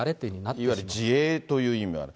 いわゆる自衛という意味もある。